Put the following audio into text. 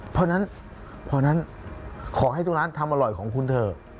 เพราะฉะนั้นพอนั้นขอให้ทุกร้านทำอร่อยของคุณเถอะ